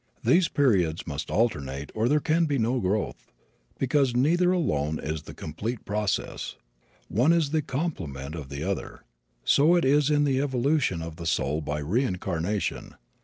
These periods must alternate or there can be no growth, because neither alone is the complete process. The one is the complement of the other. So it is in the evolution of the soul by reincarnation.